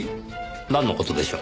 なんの事でしょう？